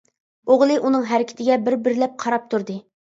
ئوغلى ئۇنىڭ ھەرىكىتىگە بىر بىرلەپ قاراپ تۇردى.